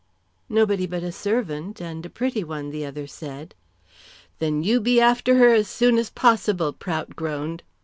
"Nobody but a servant, and a pretty one," the other said. "Then you be after her as soon as possible," Prout groaned.